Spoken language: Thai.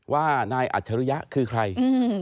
ว่านายอัจฉริยะคือใคร